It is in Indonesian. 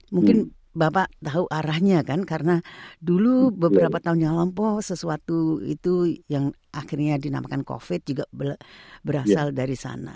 mungkin bapak tahu arahnya kan karena dulu beberapa tahun yang lalu sesuatu itu yang akhirnya dinamakan covid juga berasal dari sana